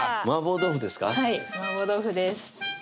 はい麻婆豆腐です